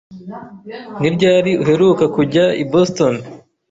Ni ryari uheruka kujya i Boston?